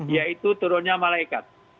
yaitu turunnya malaikat